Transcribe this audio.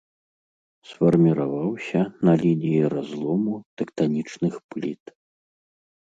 Сфарміраваўся на лініі разлому тэктанічных пліт.